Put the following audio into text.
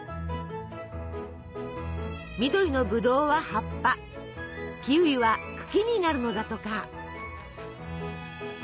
緑のブドウは葉っぱキウイは茎になるのだとか。